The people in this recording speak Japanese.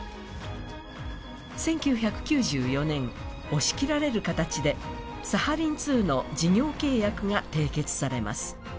１９９４年、押し切られる形でサハリン２の事業契約が締結されます。